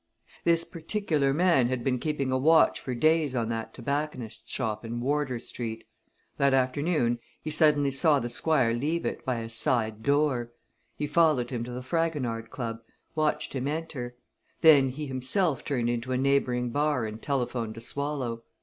This particular man had been keeping a watch for days on that tobacconist's shop in Wardour Street. That afternoon he suddenly saw the Squire leave it, by a side door. He followed him to the Fragonard Club, watched him enter; then he himself turned into a neighbouring bar and telephoned to Swallow.